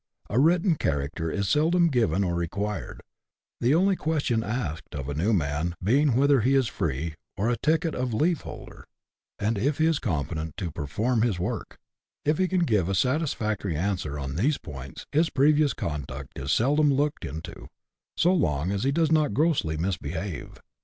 A written character is seldom given or required, the only questions asked of a new man being whether he is free, or a " ticket of leave holder," and if he is competent to perform his work ; if he can give a satisfactory answer on these points his previous conduct is seldom looked into, so long as he does not grossly misbehave.